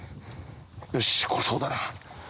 よしこれそうだな。